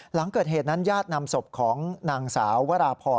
หลังเกิดเหตุนั้นญาตินำศพของนางสาววราพร